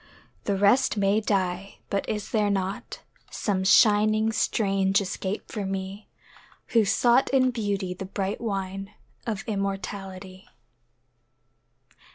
The rest may die but is there not Some shining strange escape for me Who sought in Beauty the bright wine Of immortality?